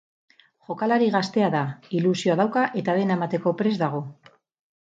Jokalari gaztea da, ilusioa dauka eta dena emateko prest dago.